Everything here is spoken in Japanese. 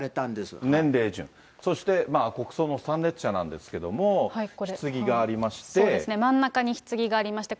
そして国葬の参列者なんですけれども、ひつぎがありまして。